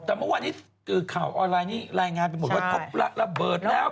แต่เมื่อวานนี้คือข่าวออนไลน์นี้รายงานไปหมดว่าพบระเบิดแล้ว